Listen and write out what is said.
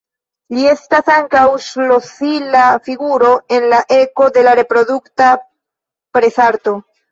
Li estas ankaŭ ŝlosila figuro en la eko de la reprodukta presarto.